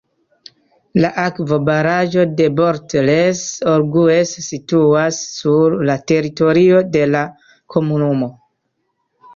La akvobaraĵo de Bort-les-Orgues situas sur la teritorio de la komunumo.